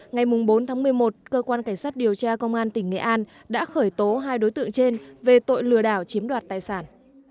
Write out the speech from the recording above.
ngày bốn tháng một mươi một cơ quan cảnh sát điều tra công an tỉnh nghệ an đã khởi tố hai đối tượng trên về tội lừa đảo chiếm đoạt tài sản